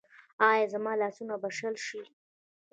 ایا زما لاسونه به شل شي؟